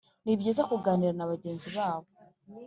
nibyiza kuganira na bagenzi babo